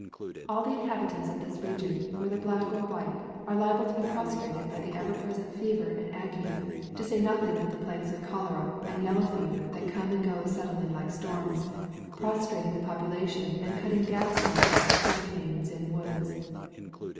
All the inhabitants of this region, whether black or white, are liable to be prostrated by the ever present fever and ague, to say nothing of the plagues of cholera and yellow fever that come and go suddenly like storms, prostrating the population and cutting gaps in it like hurri canes in woods.